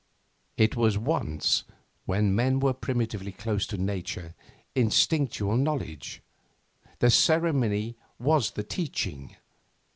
It was once, when men were primitively close to Nature, instinctual knowledge. The ceremony was the teaching.